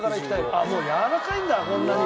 あっもうやわらかいんだこんなに。